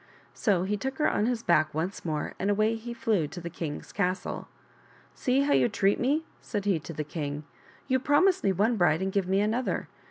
So he took her on his back once more and away he flew to the king's castle. " See how you treat me," said he to the king, " you promise me one bride and give me another.